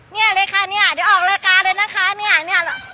เนี่ยเลยค่ะเนี่ยเดี๋ยวออกรายการเลยนะคะเนี่ย